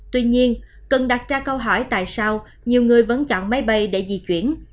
tuy nhiên cần đặt ra câu hỏi tại sao nhiều người vẫn chặn máy bay để di chuyển